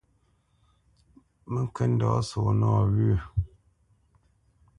Mə ŋkə̄ ndɔ̌ sɔ̌ nɔwyə̂.